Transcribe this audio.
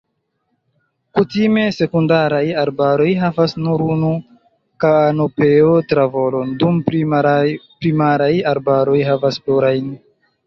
Kutime, sekundaraj arbaroj havas nur unu kanopeo-tavolon, dum primaraj arbaroj havas plurajn.